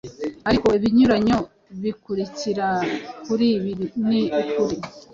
Ariko ibinyuranyo bikurikira kuri ibi ni ukuri